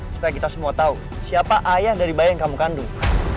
supaya kita semua tahu siapa ayah dari bayi yang kamu kandung